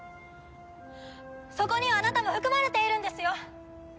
そこにはあなたも含まれているんですよ！